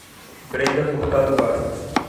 Brenda Furtado Bastos